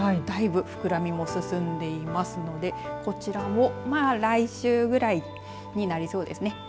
だいぶ膨らみも進んでいますのでこちらもまあ、来週ぐらいになりそうですね。